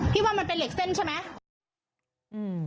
ว่ามันเป็นเหล็กเส้นใช่ไหม